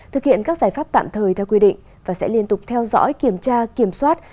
thực hiện các giải pháp tạm thời theo quy định và sẽ liên tục theo dõi kiểm tra kiểm soát